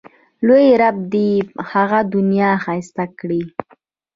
لوی رب دې یې هغه دنیا ښایسته کړي.